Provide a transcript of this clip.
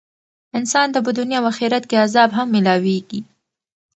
انسان ته په دنيا او آخرت کي عذاب هم ميلاويږي .